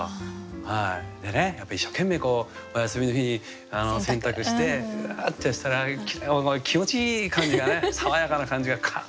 やっぱり一生懸命お休みの日に洗濯してうわってしたら気持ちいい感じがね爽やかな感じがカーッと伝わってきますね